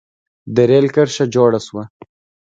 د رېل کرښه جوړه شوه.